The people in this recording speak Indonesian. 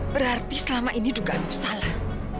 berarti selama ini dugaanku salah